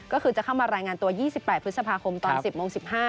ก็คือจะเข้ามารายงานตัว๒๘พฤษภาคมตอน๑๐โมง๑๕